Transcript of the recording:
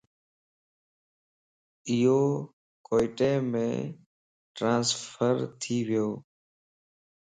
ايو ڪوئيٽيم ٽرانسفرٿي ويو